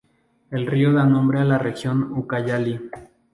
El río da nombre a la región Ucayali.